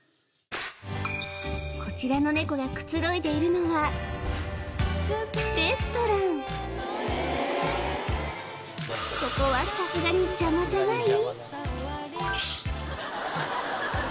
こちらのネコがくつろいでいるのはそこはさすがにジャマじゃない？